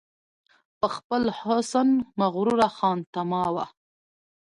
په خپل حسن وه مغروره خانتما وه